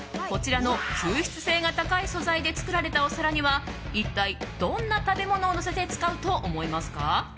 こちらの吸湿性が高い素材で作られたお皿には一体、どんな食べ物をのせて使うと思いますか？